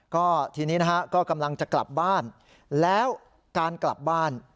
ก็ทีนี้นะฮะก็กำลังจะกลับบ้านแล้วการกลับบ้าน